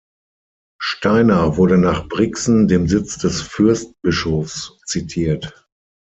Stainer wurde nach Brixen, dem Sitz des Fürstbischofs, zitiert.